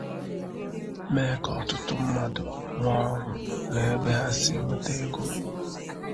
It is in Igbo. mee ka ọtụtụ mmadụ nwee ọrụ na ebe ha si enweta ego